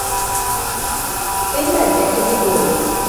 Think I'd better be going.